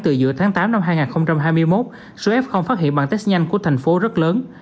từ giữa tháng tám năm hai nghìn hai mươi một số f phát hiện bằng test nhanh của thành phố rất lớn